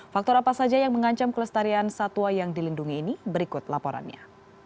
faktor apa saja yang mengancam kelestarian satwa yang dilindungi ini berikut laporannya